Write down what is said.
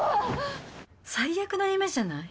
最悪な夢じゃない？